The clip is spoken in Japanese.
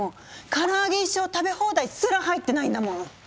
からあげ一生食べ放題すら入ってないんだもん！